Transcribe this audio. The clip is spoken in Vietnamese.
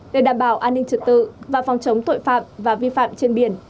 để đảm bảo an ninh trật tự và phòng chống tội phạm và vi phạm trên biển